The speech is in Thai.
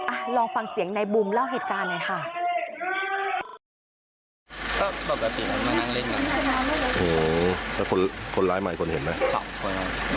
อ่ะลองฟังเสียงในบูมเล่าเหตุการณ์เลยค่ะ